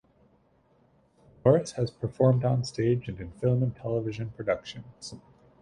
Norris has performed on stage and in film and television productions.